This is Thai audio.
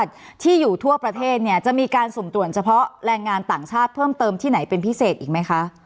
ที่อยู่ทั่วประเทศเนี่ยจะมีการสุ่มตรวจเฉพาะแรงงานต่างชาติเพิ่มเติมที่ไหนเป็นพิเศษอีกไหมคะ